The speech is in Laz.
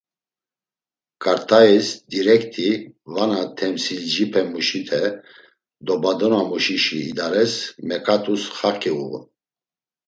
Ǩart̆ais, direkti vana temsilcipemuşite dobadonamuşişi idares meǩatus xaǩi uğun.